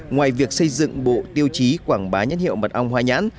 ngoài việc xây dựng bộ tiêu chí quảng bá nhãn hiệu mật ong hoa nhãn